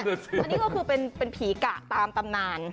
อันนี้ก็คือเป็นผีกะตามตำนาน